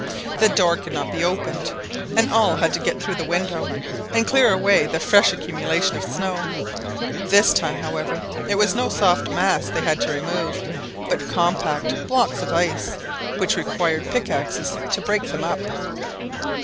The door could not be opened, and all had to get through the window, and clear away the fresh accumulation of snow; this time, however, it was no soft mass they had to remove, but compact blocks of ice, which required pick axes to break them up.